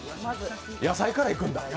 野菜からいくんだ。